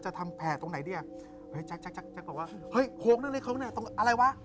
เหงียบไปเลยครับ